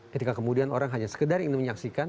ketika kemudian orang hanya sekedar ingin menyaksikan